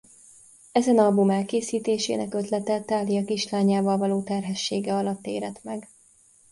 Ezen album elkészítésének ötlete Thalía kislányával való terhessége alatt érett meg.